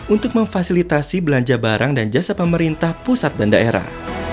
untuk memfasilitasi belanja barang dan jasa pemerintah pusat dan daerah